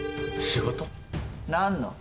何の？